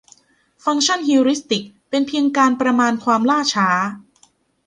ฟังก์ชันฮิวริสติกเป็นเพียงการประมาณความล่าช้า